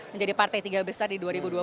menjadi partai tiga besar di dua ribu dua puluh